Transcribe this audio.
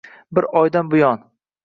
— Bir oydan buyon?!